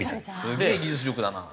すげえ技術力だな。